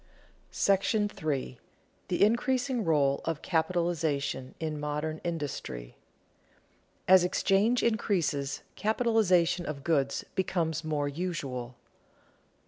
§ III. THE INCREASING ROLE OF CAPITALIZATION IN MODERN INDUSTRY [Sidenote: As exchange increases capitalization of goods becomes more usual] 1.